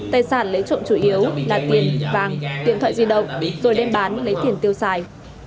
tài sản lấy trộm chủ yếu là tiền vàng điện thoại di động rồi đem bán lấy tiền tiêu xài